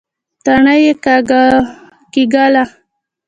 تڼۍ يې کېکاږله.